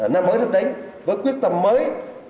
năm mới sắp đến với quyết tâm mới